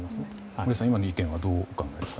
森保さん、今の意見はどうお考えですか。